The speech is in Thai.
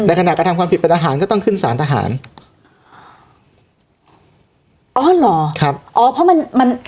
ขณะกระทำความผิดเป็นทหารก็ต้องขึ้นสารทหารอ๋อเหรอครับอ๋อเพราะมันมัน